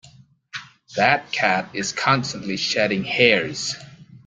That cat is constantly shedding hairs.